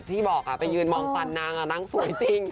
ที่บอกไปยืนมองฟันนางนางสวยจริง